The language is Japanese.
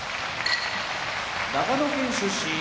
長野県出身